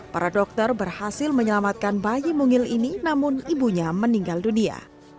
para dokter berhasil menyelamatkan bayi mungil ini namun ibunya meninggal dunia